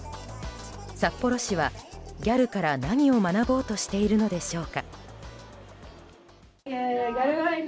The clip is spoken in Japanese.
札幌市はギャルから何を学ぼうとしているのでしょうか。